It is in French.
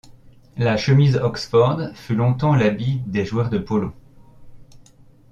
La chemise Oxford fut longtemps l'habit des joueurs de polo.